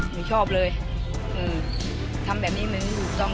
มีชอบเลยอืมทำแบบนี้มันดูต้องเด็กตัวเล็กเนอะ